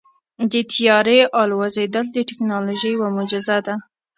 د طیارې الوزېدل د تیکنالوژۍ یوه معجزه ده.